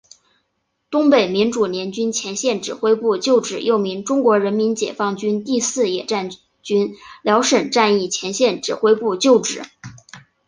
东北民主联军前线指挥部旧址又名中国人民解放军第四野战军辽沈战役前线指挥部旧址。